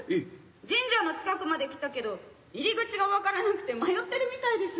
神社の近くまで来たけど入り口が分からなくて迷ってるみたいです。